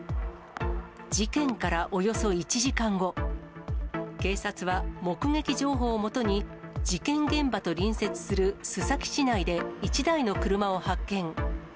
事件からおよそ１時間後、警察は、目撃情報をもとに、事件現場と隣接する須崎市内で１台の車を発見。